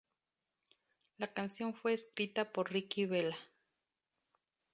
La canción fue escrita por Ricky Vela.